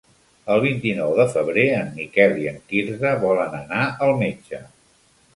El vint-i-nou de febrer en Miquel i en Quirze volen anar al metge.